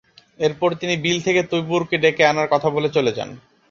এরপর তিনি বিল থেকে তৈবুরকে ডেকে আনার কথা বলে চলে যান।